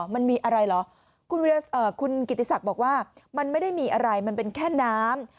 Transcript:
มันมีอะไรเหรอคุณกิติศักดิ์บอกว่ามันไม่ได้มีอะไรมันเป็นแค่น้ำ